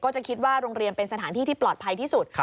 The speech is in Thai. จะคิดว่าโรงเรียนเป็นสถานที่ที่ปลอดภัยที่สุด